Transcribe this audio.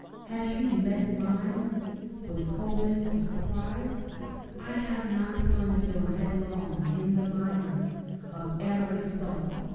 Had she met mine with coldness or surprise, I had not plunged on headlong in the mire Of amorous thought.